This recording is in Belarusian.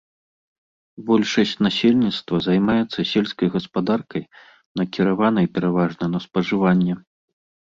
Большасць насельніцтва займаецца сельскай гаспадаркай, накіраванай пераважна на спажыванне.